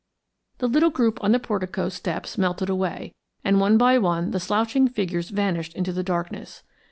The little group on the portico steps melted away, and one by one the slouching figures vanished into the darkness.